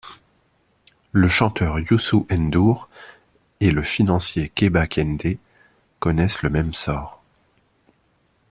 Le chanteur Youssou N'Dour et le financier Kéba Keindé connaissent le même sort.